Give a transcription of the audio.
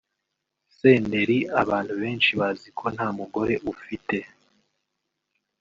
Senderi abantu benshi bazi ko nta mugore ufite